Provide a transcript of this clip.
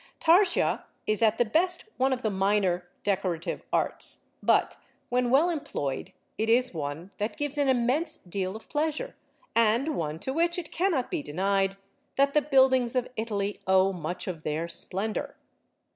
Tarsia is at the best one of the minor decorative arts, but when well employed it is one that gives an immense deal of pleasure, and one to which it cannot be denied that the buildings of Italy owe much of their splendour.